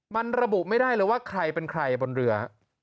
มันระบุไม่ได้เลยว่าใครเป็นใครบนเรือ